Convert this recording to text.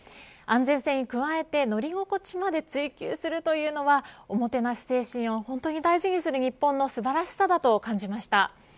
安全性に加えて乗り心地まで追求するというのはおもてなし精神を本当に大事にする日本の素晴らしさだと感じました。